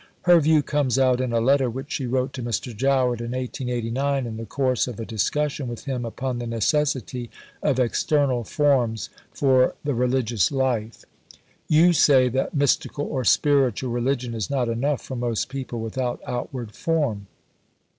Her view comes out in a letter which she wrote to Mr. Jowett in 1889 in the course of a discussion with him upon the necessity of external forms for the religious life: "You say that 'mystical or spiritual religion is not enough for most people without outward form.'